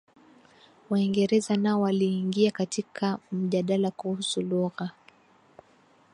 Waingereza nao waliingia katiika mjadala kuhusu lugha